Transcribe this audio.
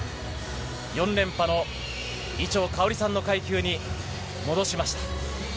４連覇の伊調馨さんの階級に戻しました。